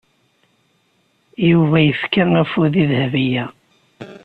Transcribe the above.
Yuba yefka afud i Dahbiya.